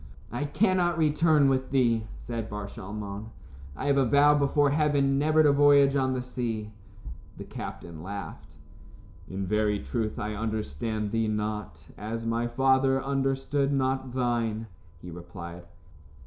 "I cannot return with thee," said Bar Shalmon. "I have a vow before heaven never to voyage on the sea." The captain laughed. "In very truth, I understand thee not, as my father understood not thine," he replied.